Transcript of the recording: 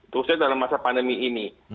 khususnya dalam masa pandemi ini